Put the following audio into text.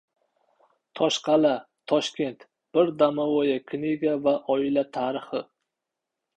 «Toshqal’a-Toshkent». Bir «domovaya kniga» va oila tarixi